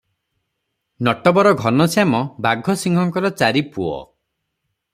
ନଟବର ଘନଶ୍ୟାମ ବାଘସିଂହଙ୍କର ଚାରି ପୁଅ ।